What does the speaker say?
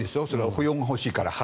票が欲しいから。